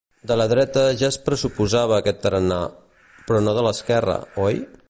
De la dreta ja es pressuposava aquest tarannà. Però no de l’esquerra, oi?